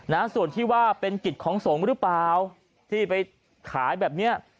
นะส่วนที่ว่าเป็นกิจของสงฆ์หรือเปล่าที่ไปขายแบบเนี้ย